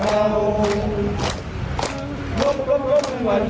เหลือชมใจโลกให้เห็นใจ